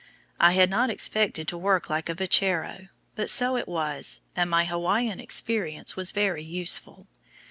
I had not expected to work like a vachero, but so it was, and my Hawaiian experience was very useful.